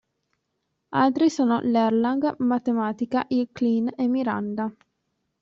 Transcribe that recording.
Altri sono l'Erlang, Mathematica, il Clean e Miranda.